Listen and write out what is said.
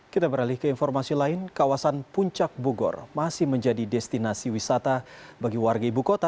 kita beralih ke informasi lain kawasan puncak bogor masih menjadi destinasi wisata bagi warga ibu kota